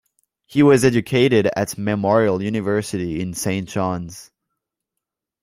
He was educated at Memorial University in Saint John's.